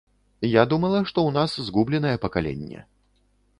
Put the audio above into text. Я думала, што ў нас згубленае пакаленне.